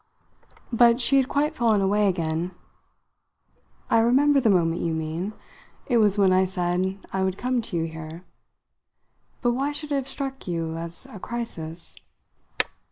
But she had quite fallen away again. "I remember the moment you mean it was when I said I would come to you here. But why should it have struck you as a crisis?"